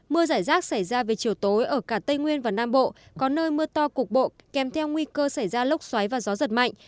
mưa giải rác xảy ra về chiều tối ở cả tây nguyên và nam bộ có nơi mưa to cục bộ kèm theo nguy cơ xảy ra lốc xoáy và gió giật mạnh